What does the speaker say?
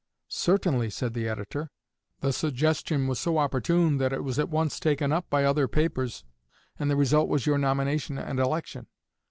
"Certainly," said the editor, "the suggestion was so opportune that it was at once taken up by other papers, and the result was your nomination and election."